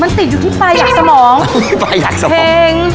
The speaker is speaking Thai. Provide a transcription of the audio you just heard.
มันติดอยู่ที่ปลายักษรมอง